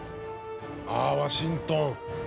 あワシントン。